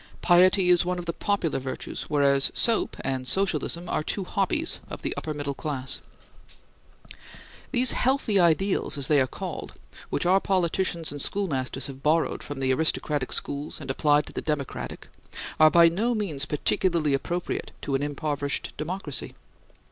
Piety is one of the popular virtues, whereas soap and Socialism are two hobbies of the upper middle class. These "healthy" ideals, as they are called, which our politicians and schoolmasters have borrowed from the aristocratic schools and applied to the democratic, are by no means particularly appropriate to an impoverished democracy.